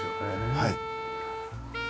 はい。